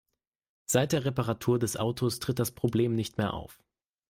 Seit der Reparatur des Autos tritt das Problem nicht mehr auf.